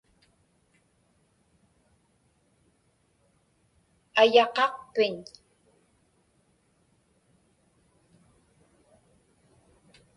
Ayaqaqpiñ?